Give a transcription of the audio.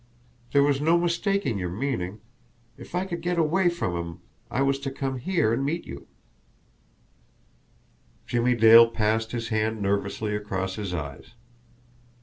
There was no mistaking your meaning if I could get away from him, I was to come here and meet you." Jimmie Dale passed his hand nervously across his eyes.